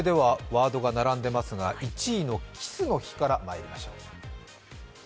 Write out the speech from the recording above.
ワードが並んでいますが、１位のキスの日からまいりましょう。